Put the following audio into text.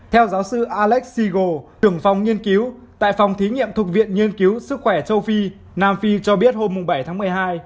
theo giáo sư alex seagal trưởng phòng nghiên cứu tại phòng thí nghiệm thục viện nhiên cứu sức khỏe châu phi nam phi cho biết hôm bảy tháng một mươi hai